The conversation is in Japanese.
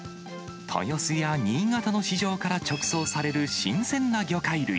豊洲や新潟の市場から直送される新鮮な魚介類。